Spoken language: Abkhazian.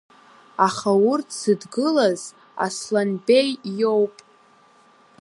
Аха урҭ зыдгылаз Асланбеи иоуп.